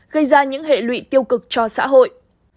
gây ra những hệ lụy tiêu cực cho xã hội